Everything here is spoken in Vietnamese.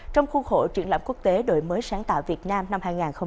trong khuôn khổ triển lãm quốc tế đổi mới sáng tạo việt nam năm hai nghìn hai mươi